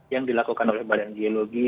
yang dilakukan oleh badan geologi